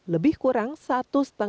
lebih kurang satu lima juta orang